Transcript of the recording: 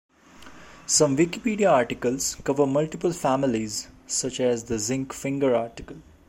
Some Wikipedia articles cover multiple families, such as the Zinc finger article.